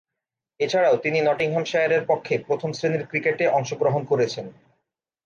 এছাড়াও তিনি নটিংহ্যামশায়ারের পক্ষে প্রথম-শ্রেণীর ক্রিকেটে অংশগ্রহণ করেছেন।